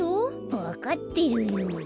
わかってるよ。